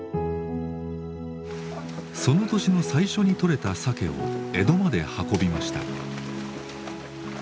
その年の最初に取れたサケを江戸まで運びました。